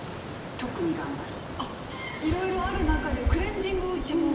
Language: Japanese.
いろいろある中でクレンジングを一番？